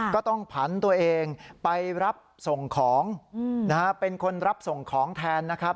ก็ต้องผันตัวเองไปรับส่งของนะฮะเป็นคนรับส่งของแทนนะครับ